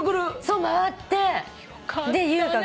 そう回って。